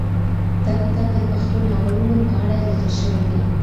دا کتاب د پښتو ناولونو په اړه لیکل شوی دی.